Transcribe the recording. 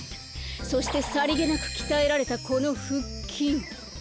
そしてさりげなくきたえられたこのふっきん。